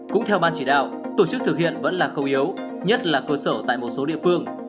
cũng theo ban chỉ đạo tổ chức thực hiện vẫn là khâu yếu nhất là cơ sở tại một số địa phương